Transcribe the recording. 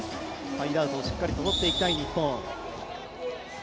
サイドアウトをしっかりと取っていきたい日本。